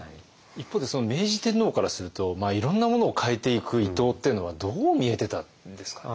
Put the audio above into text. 一方で明治天皇からするといろんなものを変えていく伊藤っていうのはどう見えてたんですかね。